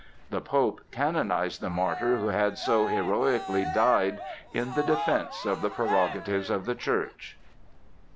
The Pope canonized the martyr who had so heroically died in the defence of the prerogatives of the Church.